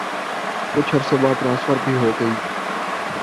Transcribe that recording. کچھ عرصے بعد ٹرانسفر بھی ہو گئی۔